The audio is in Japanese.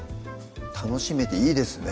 楽しめていいですね